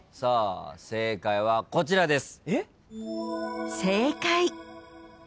正解はこちらです。